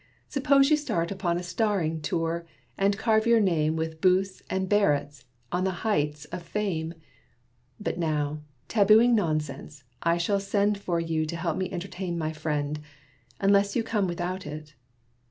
suppose you start Upon a starring tour, and carve your name With Booth's and Barrett's on the heights of Fame. But now, tabooing nonsense, I shall send For you to help me entertain my friend, Unless you come without it.